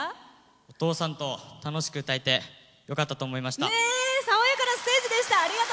お父さんと楽しく歌えてよかったと思いました。